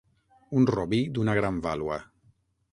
Un robí d'una gran vàlua.